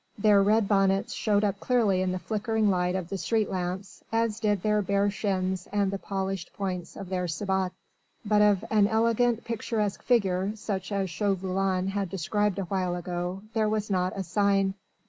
Their red bonnets showed up clearly in the flickering light of the street lamps, as did their bare shins and the polished points of their sabots. But of an elegant, picturesque figure such as Chauvelin had described awhile ago there was not a sign.